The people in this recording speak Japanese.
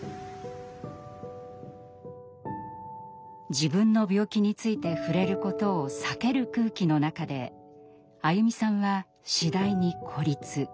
自分の病気について触れることを避ける空気の中でアユミさんは次第に孤立。